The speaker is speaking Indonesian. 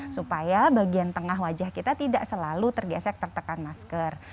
supaya bagian tengah wajah kita tidak selalu tergesek tertekan masker